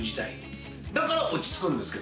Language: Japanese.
だから落ち着くんですよ。